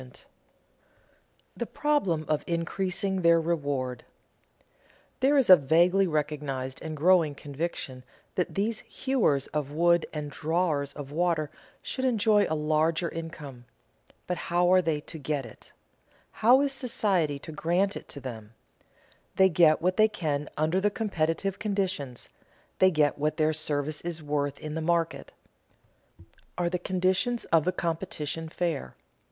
[Sidenote: The problem of increasing their reward] There is a vaguely recognized and growing conviction that these hewers of wood and drawers of water should enjoy a larger income. But how are they to get it? How is society to grant it to them? They get what they can under the competitive conditions, they get what their service is worth in the market. Are the conditions of the competition fair?